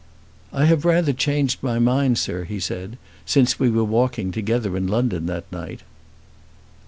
"I have rather changed my mind, sir," he said, "since we were walking together in London that night."